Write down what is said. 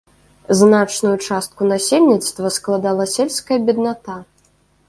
Значную частку насельніцтва складала сельская бедната.